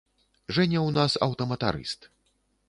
Жэня ў нас аўтаматарыст.